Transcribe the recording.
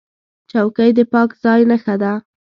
چوکۍ د پاک ځای نښه ده.